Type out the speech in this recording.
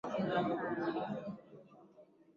kwa sababu amewafungia chelsea mabao mengi sana